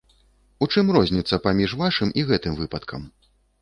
У чым розніца паміж вашым і гэтым выпадкам?